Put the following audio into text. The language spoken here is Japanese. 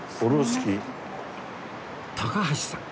高橋さん